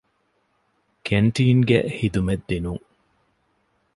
ކެންޓީންގެ ހިދުމަތް ދިނުން